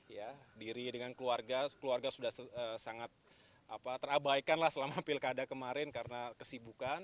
ya diri dengan keluarga keluarga sudah sangat terabaikan lah selama pilkada kemarin karena kesibukan